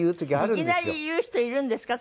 いきなり言う人いるんですか？